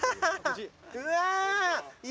「うわ！」